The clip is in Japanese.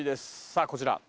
さあこちら